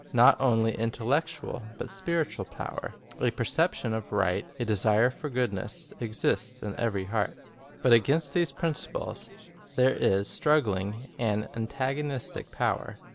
Not only intellec tual but spiritual power, a perception' of right, a desire for goodness, exists in every heart. But against these principles there is struggling an antagonistic power.